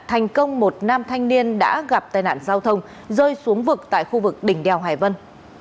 thành công một nam thanh niên đã gặp tai nạn giao thông rơi xuống vực tại khu vực đỉnh đèo hải vân